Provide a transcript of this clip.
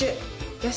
よし！